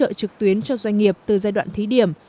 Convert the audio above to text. hỗ trợ trực tuyến cho doanh nghiệp từ giai đoạn thí điểm